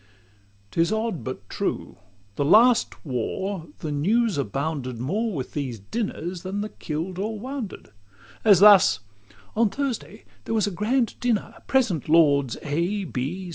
'T is odd, but true, last war the News abounded More with these dinners than the kill'd or wounded; LIV As thus: "On Thursday there was a grand dinner; Present, Lords A.